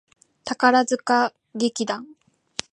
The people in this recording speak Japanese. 宝塚歌劇団